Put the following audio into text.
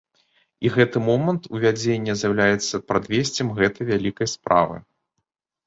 І гэты момант увядзення з'яўляецца прадвесцем гэтай вялікай справы.